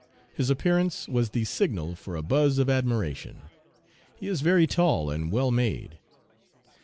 His appearance was the signal for a buzz of admiration. He is very tall and well made.